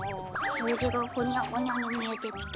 数字がほにゃほにゃに見えてきた。